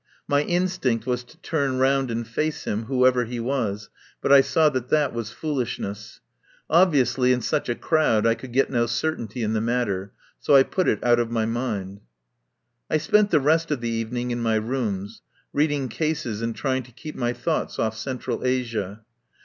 My instinct was to turn round and face him, whoever he was, but I saw that that was foolishness. Obviously in such a crowd I could get no certainty in the matter, so I put it out of my mind. I spent the rest of the evening in my rooms, reading cases and trying to keep my thoughts off Central Asia.